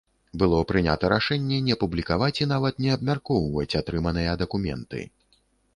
Было прынята рашэнне не публікаваць і нават не абмяркоўваць атрыманыя дакументы.